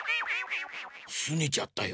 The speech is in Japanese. すねちゃったよ。